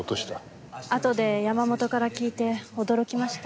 あとで山本から聞いて驚きました。